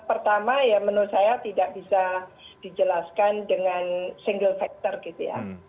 pertama ya menurut saya tidak bisa dijelaskan dengan single factor gitu ya